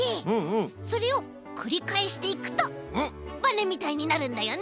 それをくりかえしていくとバネみたいになるんだよね。